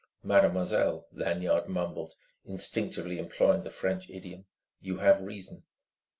"Mademoiselle," Lanyard mumbled, instinctively employing the French idiom "you have reason."